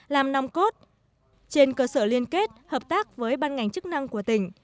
làm nòng cốt trên cơ sở liên kết hợp tác với ban ngành chức năng của tỉnh